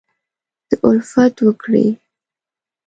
دالفت وکړي